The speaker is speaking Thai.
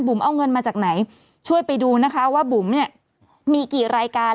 เอาเงินมาจากไหนช่วยไปดูนะคะว่าบุ๋มเนี่ยมีกี่รายการ